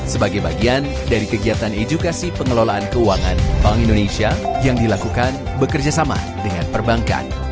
sebagai bagian dari kegiatan edukasi pengelolaan keuangan bank indonesia yang dilakukan bekerjasama dengan perbankan